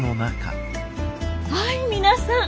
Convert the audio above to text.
はい皆さん。